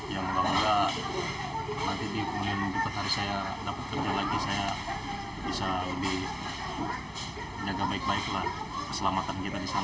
ya mudah mudahan nanti di penghubungan minggu ke empat saya dapat kerja lagi saya bisa lebih jaga baik baik lah keselamatan kita disana kan